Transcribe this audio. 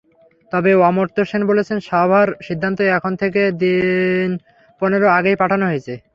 তবে অমর্ত্য সেন বলেছেন, সভার সিদ্ধান্ত এখন থেকে দিন পনেরো আগেই পাঠানো হয়েছে।